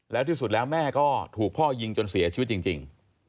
แล้วที่สุดแล้วแม่ก็ถูกพ่อยิงจนเสียชีวิตจริง